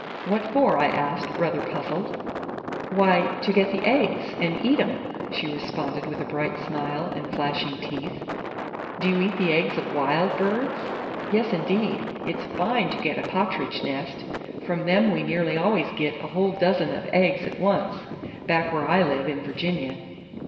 "What for?" I asked, rather puzzled. "Why, to get the aigs and eat 'em!" she responded with a bright smile and flashing teeth. "Do you eat the eggs of wild birds?" "Yes indeed! It's fine to get a pattridge nest! From them we nearly always git a whole dozen of aigs at once,—back where I live, in Virginia."